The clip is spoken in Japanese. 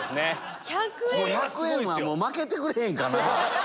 １００円はまけてくれへんかな。